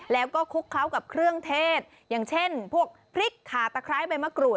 แล้วก็คลุกเคล้ากับเครื่องเทศอย่างเช่นพวกพริกขาตะไคร้ใบมะกรูด